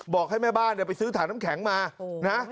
บอกให้แม่บ้านไปซื้อถังน้ำแข็งมานะ